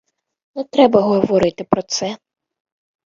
Не треба говорити про це.